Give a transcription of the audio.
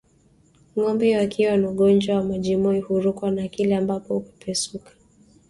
Ngombe wakiwa na ugonjwa wa majimoyo hurukwa na akili ambapo hupepesuka